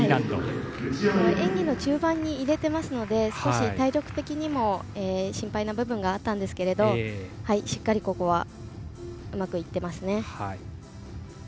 演技の中盤に入れていますので体力的にも心配な部分があったんですがしっかりと、ここはうまくいってますね。